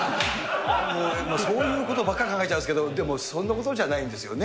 そういうことばっかり考えちゃうんですけれども、でもそんなことじゃないんですよね。